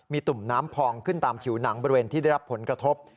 มีตุ่มน้ำพองขึ้นตามผิวหนังบริเวณที่ได้รับผลกระทบ